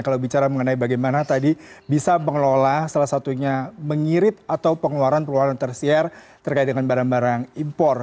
kalau bicara mengenai bagaimana tadi bisa pengelola salah satunya mengirit atau pengeluaran pengeluaran tertier terkait dengan barang barang impor